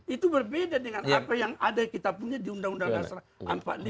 itu berbeda dengan apa yang ada kita punya di undang undang dasar empat puluh lima